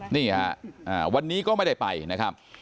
นี่ฮะวันนี้ก็ไม่ได้ไปนะครับ